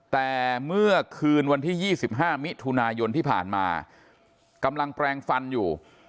แต่เมื่อคืนวันที่๒๕มิถุนายนที่ผ่านมากำลังแปลงฟันอยู่